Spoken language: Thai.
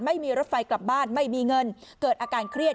ไม่มีรถไฟกลับบ้านไม่มีเงินเกิดอาการเครียด